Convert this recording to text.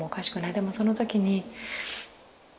でもその時に。